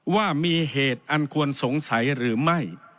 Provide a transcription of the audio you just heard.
ว่ามีเหตุอันควรสงสัยหรือไม่